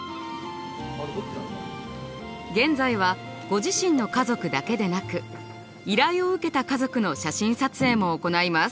現在はご自身の家族だけでなく依頼を受けた家族の写真撮影も行います。